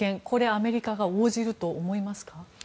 これ、アメリカが応じると思いますか。